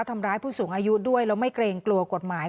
ทำร้ายผู้สูงอายุด้วยแล้วไม่เกรงกลัวกฎหมาย